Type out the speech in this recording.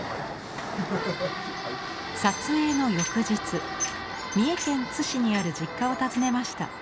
撮影の翌日三重県津市にある実家を訪ねました。